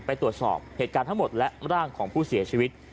ไปตรวจสอบเหตุการณ์ทั้งหมดและร่างของผู้เสียชีวิต